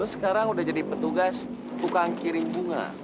lu sekarang udah jadi petugas tukang kiring bunga